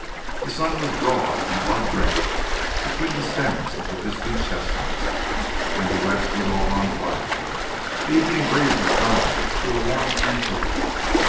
The sun was broad and blood red between the stems of the distant chestnuts, and the west was all on fire; the evening breeze had died to a warm tranquillity.